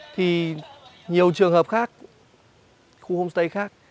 thì nhiều trường hợp khác khu homestay khác